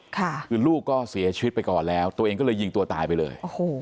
คือลูกก็เสียชีวิตไปก่อนแล้วตัวเองก็เลยยิงตัวตายไปเลยโอ้โห